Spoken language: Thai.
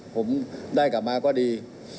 ผมได้กลับมาก็ดี